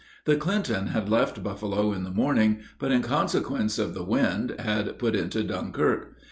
The Clinton had left Buffalo in the morning, but, in consequence of the wind, had put into Dunkirk.